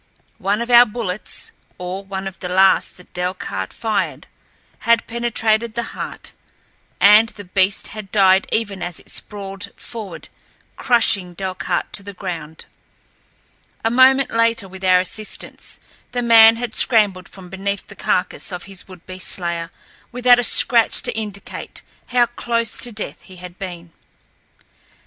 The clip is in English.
One of our bullets, or one of the last that Delcarte fired, had penetrated the heart, and the beast had died even as it sprawled forward crushing Delcarte to the ground. A moment later, with our assistance, the man had scrambled from beneath the carcass of his would be slayer, without a scratch to indicate how close to death he had been.